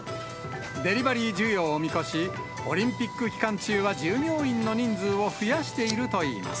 デリバリー需要を見越し、オリンピック期間中は従業員の人数を増やしているといいます。